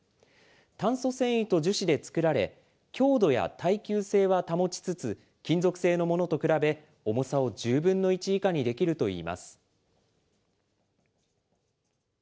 炭素繊維と樹脂で作られ、強度や耐久性は保ちつつ、金属製のものと比べ、重さを１０分の１以下にできるといいます。